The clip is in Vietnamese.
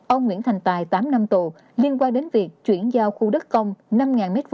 ông nguyễn thành tài tám năm tù liên quan đến việc chuyển giao khu đất công năm m hai